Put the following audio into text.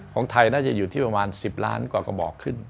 ของไทยน่าจะอยู่ที่ประมาณ๑๐ล้านกว่ากระบอกขึ้น